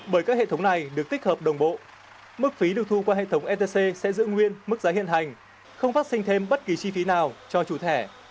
bởi các hệ thống này được tích hợp đồng bộ mức phí được thu qua hệ thống etc sẽ giữ nguyên mức giá hiện hành không phát sinh thêm bất kỳ chi phí nào cho chủ thẻ